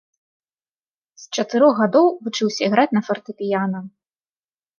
З чатырох гадоў вучыўся іграць на фартэпіяна.